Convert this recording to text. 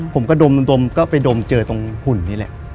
ผมก็ดมก็ไปดมเจอตรงหุ่นนี่แหละ